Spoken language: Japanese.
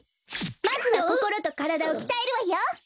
まずはこころとからだをきたえるわよ！